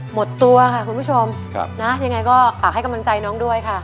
หมดตัวค่ะคุณผู้ชมนะยังไงก็ฝากให้กำลังใจน้องด้วยค่ะ